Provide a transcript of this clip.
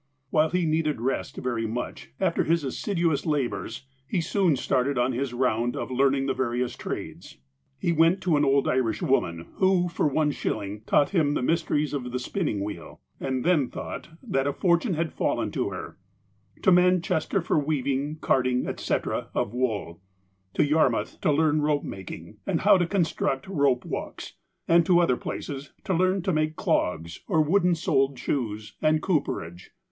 "While he needed rest very much, after his assiduous labours, he soon started on his round of learning the various trades. He went to an old Irish woman, who, for one shilling, taught him the mysteries of the spinning wheel, and then thought that a fortune had fallen to her ; to Manchester for the weaving, carding, etc., of wool ; to Yarmouth to learn rope making, and how to construct rope walks, and to other places to learn to make clogs, or wooden soled shoes, and cooperage.